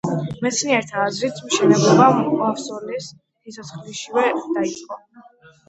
მეცნიერთა აზრით, მშენებლობა მავსოლეს სიცოცხლეშივე დაიწყო.